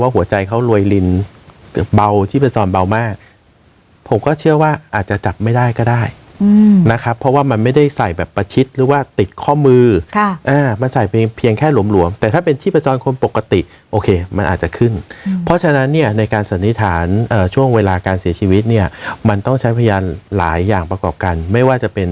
หัวใจเขารวยลินเบาชีพจรเบามากผมก็เชื่อว่าอาจจะจับไม่ได้ก็ได้นะครับเพราะว่ามันไม่ได้ใส่แบบประชิดหรือว่าติดข้อมือมันใส่เพียงแค่หลวมแต่ถ้าเป็นชีพจรคนปกติโอเคมันอาจจะขึ้นเพราะฉะนั้นเนี่ยในการสันนิษฐานช่วงเวลาการเสียชีวิตเนี่ยมันต้องใช้พยานหลายอย่างประกอบกันไม่ว่าจะเป็น